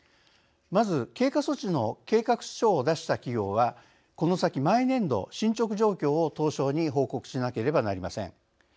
まず経過措置の計画書を出した企業はこの先、毎年度、進ちょく状況を東証に報告しなければなりません。